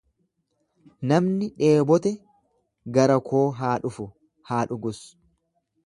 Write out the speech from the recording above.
Namni dheebote gara koo haa dhufu, haa dhugus.